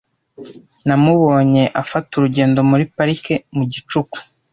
Namubonye afata urugendo muri parike mu gicuku.